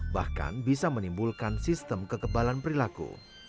bahkan bisa menimbulkan sistem kekebalan perilaku